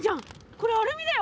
これアルミだよ。